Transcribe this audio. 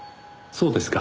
そうですか。